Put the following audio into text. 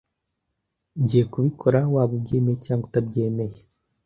Ngiye kubikora waba ubyemera cyangwa utabyemera.